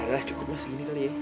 nggak nggak nggak gue mau beli